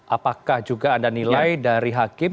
apakah juga anda nilai dari hakim